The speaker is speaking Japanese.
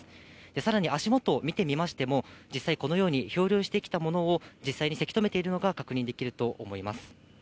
さらに足元を見てみましても、実際、このように漂流してきたものを実際にせき止めているのが確認できると思います。